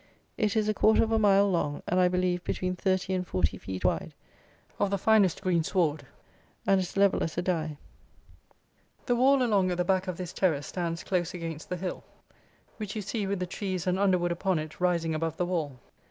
It is a quarter of a mile long, and, I believe, between thirty and forty feet wide; of the finest green sward, and as level as a die. The wall, along at the back of this terrace, stands close against the hill, which you see with the trees and underwood upon it rising above the wall.